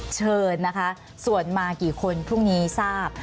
เชิญนะคะส่วนมากี่คนพรุ่งนี้ทราบ